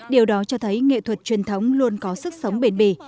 điều đó cho thấy nghệ thuật truyền thống luôn có sức sống bền bì